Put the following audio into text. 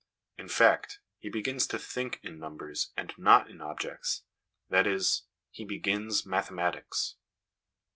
In fact, he begins to think in numbers and not in objects, that is, he begins mathematics.